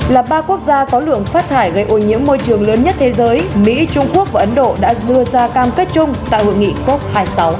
là ba quốc gia có lượng phát thải gây ô nhiễm môi trường lớn nhất thế giới mỹ trung quốc và ấn độ đã đưa ra cam kết chung tại hội nghị cop hai mươi sáu